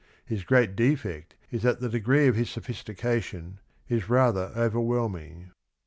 His great defect is that the degree of his sophistication is rather ovenvhelming.